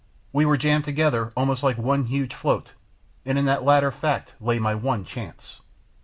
We were jammed together almost like one huge float and in that latter fact lay my one chance.